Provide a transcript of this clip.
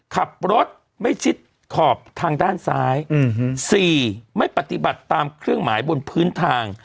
ขับรถไม่ชิดขอบทางด้านซ้าย๔ไม่ปฏิบัติตามเครื่องหมายบนพื้นทาง